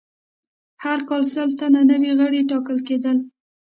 هر کال سل تنه نوي غړي ټاکل کېدل.